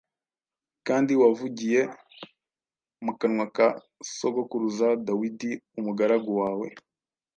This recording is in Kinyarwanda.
kandi wavugiye mu kanwa ka sogokuruza Dawidi, umugaragu wawe,